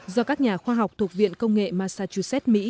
do các nhà khoa học thuộc viện công nghệ massachusett mỹ